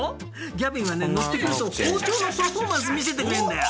ギャビンはね乗ってくると包丁のパフォーマンス見せてくれるんだよ。